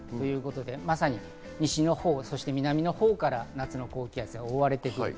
まさに西のほう、南のほうから夏の高気圧に覆われます。